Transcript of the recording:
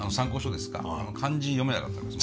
あの漢字読めなかったです。